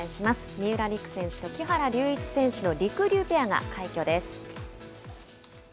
三浦璃来選手と木原龍一選手のりくりゅうペアが快挙です。